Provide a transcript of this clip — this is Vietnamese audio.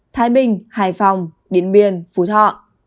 thái bình hải phòng điện biên phú thọ